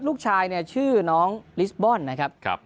ลูกชายชื่อน้องลิสบอนนะครับ